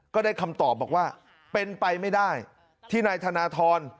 ก็ได้คำตอบบอกว่าเป็นไปไม่ได้ที่นายธนทร